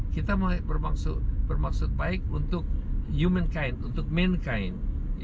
kita bermaksud baik untuk humankind untuk mankind